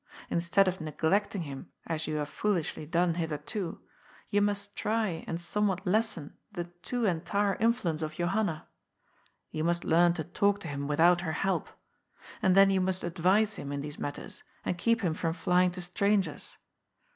In stead of neglecting him as you have foolishly done hitherto, you must try and somewhat lessen the too entire influence of Johanna. You must learn to talk to him without her help. And then you must advise him in these matters and keep him from flying to strangers.